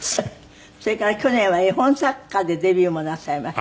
それから去年は絵本作家でデビューもなさいました。